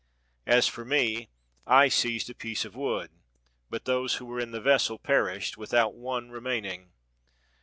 As for me, I seized a piece of wood ; but those who were in the ves sel perished, without one remaining.